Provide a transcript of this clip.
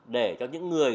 để cho những người